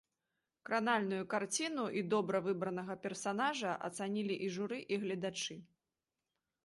Кранальную карціну і добра выбранага персанажа ацанілі і журы, і гледачы.